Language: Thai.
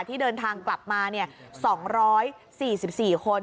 ที่เดินทางกลับมา๒๔๔คน